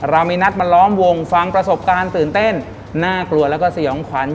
เรามีนัดมาล้อมวงฟังประสบการณ์ตื่นเต้นน่ากลัวแล้วก็สยองขวัญ